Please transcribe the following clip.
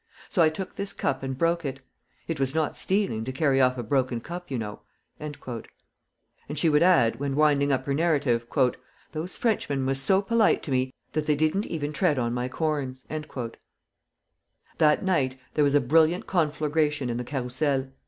So I took this cup and broke it. It was not stealing to carry off a broken cup, you know." And she would add, when winding up her narrative: "Those Frenchmen was so polite to me that they did n't even tread on my corns." That night there was a brilliant conflagration in the Carrousel.